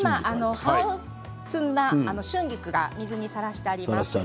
葉を摘んだ春菊が水にさらしてあります。